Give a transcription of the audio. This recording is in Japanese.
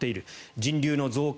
人流の増加